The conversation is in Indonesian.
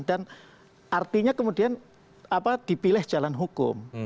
dan artinya kemudian dipilih jalan hukum